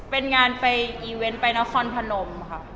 เป็นงานไปอีเวนต์ไปนครพนมค่ะ